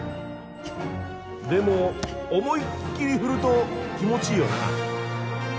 でも思いっきり振ると気持ちいいよな！